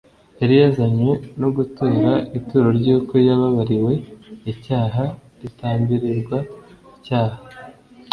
Yari yazanywe no gutura ituro ry’uko yababariwe icyaha [ritambirirwa icyaha]